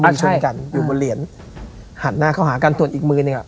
เช่นกันอยู่บนเหรียญหันหน้าเข้าหากันส่วนอีกมือหนึ่งอ่ะ